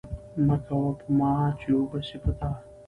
مه کوه په ما، چې وبه سي په تا!